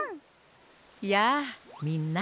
やあみんな。